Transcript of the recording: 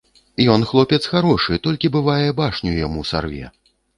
Ён хлопец харошы, толькі бывае, башню яму сарве.